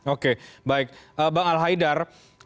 oke baik bang al haidar